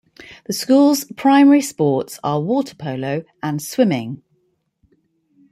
The school's primary sports are water polo and swimming.